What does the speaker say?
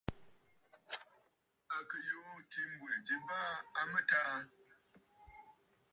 À kɨ̀ yùû ɨ̀tǐ mbwɛ̀ ji baa a mɨtaa.